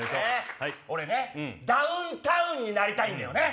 俺ねダウンタウンになりたいんだよね！